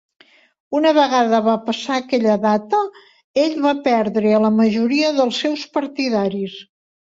Una vegada va passar aquella data, ell va perdre a la majoria dels seus partidaris.